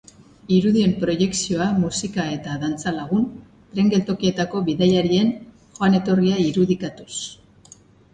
Irudien proiekzioa, musika eta dantza lagun, tren-geltokietako bidaiarien joan-etorria irudikatuz.